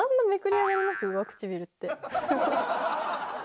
上唇って。